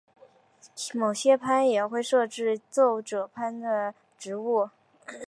某些藩也会设置奏者番的职务。